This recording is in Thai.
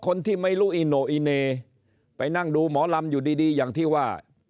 คนที่ไม่รู้อีโนอิเนไปนั่งดูหมอลำอยู่ดีดีอย่างที่ว่า